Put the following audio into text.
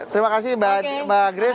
terima kasih mbak grace